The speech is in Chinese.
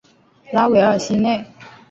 拉韦尔西内。